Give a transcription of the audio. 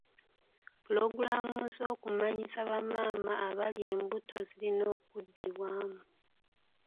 Pulogulaamu z'okumanyisa bamaama abali embuto zirina okuddibwamu.